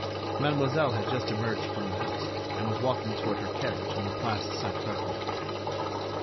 Mademoiselle had just emerged from the house and was walking toward her carriage in the Place Saint Ferdinand.